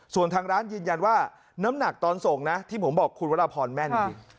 ส่วนทางร้านยืนยันว่าน้ำหนักตอนส่งนะที่ผมบอกคุณวรพรแม่นจริง